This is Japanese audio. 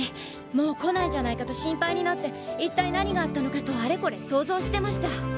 もう来ないんじゃないかと心配になって一体何があったのかとあれこれ想像してました。